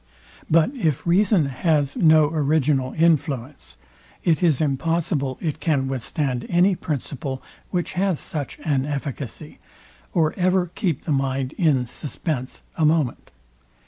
But if reason has no original influence, it is impossible it can withstand any principle, which has such an efficacy, or ever keep the mind in suspence a moment.